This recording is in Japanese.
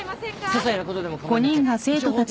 ささいなことでも構いません。